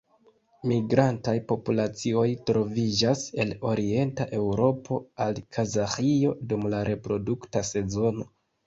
Migrantaj populacioj troviĝas el Orienta Eŭropo al Kazaĥio dum la reprodukta sezono.